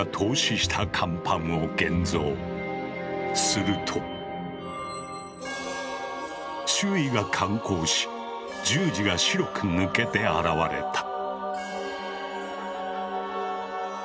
すると周囲が感光し十字が白く抜けて現れた。